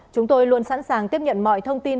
chúng tôi luôn sẵn sàng tiếp nhận mọi thông tin